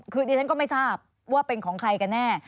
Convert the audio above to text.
คือดิฉันก็ไม่ทราบว่าเป็นของใครกันแน่